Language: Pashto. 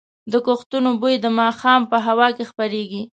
د کښتونو بوی د ماښام په هوا کې خپرېږي.